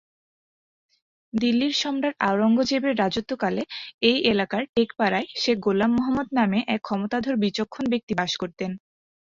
দিল্লির সম্রাট আওরঙ্গজেবের রাজত্বকালে এই এলাকার টেকপাড়ায় শেখ গোলাম মোহাম্মদ নামে এক ক্ষমতাধর বিচক্ষণ ব্যক্তি বাস করতেন।